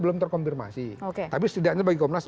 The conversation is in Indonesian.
belum terkonfirmasi tapi setidaknya bagi komnas